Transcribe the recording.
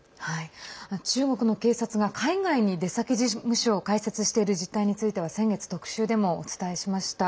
中国の警察が海外に出先事務所を開設している実態については先月、特集でもお伝えしました。